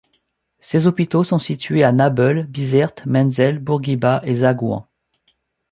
Ces hôpitaux sont situés à Nabeul, Bizerte, Menzel Bourguiba et Zaghouan.